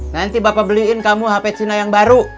nanti bapak beliin kamu hp cina yang baru